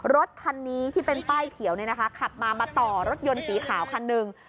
รถคันนี้ที่เป็นป้ายเขียวขับมามาต่อรถยนต์สีขาวคันหนึ่ง